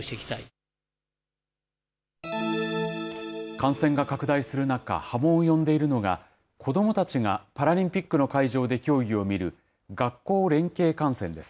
感染が拡大する中、波紋を呼んでいるのが、子どもたちがパラリンピックの会場で競技を見る学校連携観戦です。